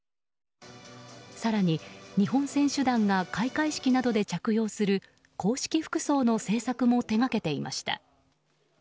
更に日本選手団が開会式などで着用する公式服装の製作も手掛けていました。